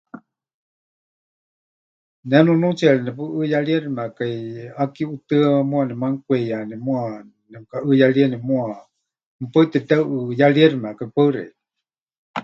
Ne nunuutsiyari nepuʼɨɨyaríexɨmekai ʼaki ʼutɨa, muuwa nemanukweiyani, muuwa nemɨkaʼɨɨyarieni muuwa, mɨpaɨ tepɨteˀuʼɨɨyáriexɨmekai. Paɨ xeikɨ́a.